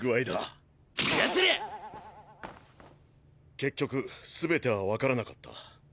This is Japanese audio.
結局全てはわからなかった。